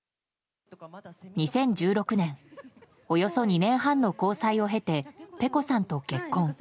２０１６年およそ２年半の交際を経てｐｅｃｏさんと結婚。